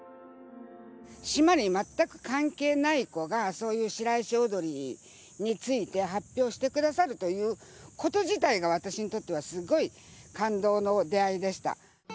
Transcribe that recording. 島に全く関係ない子がそういう白石踊について発表してくださるということ自体が私にとってはすごい感動の出会いでした。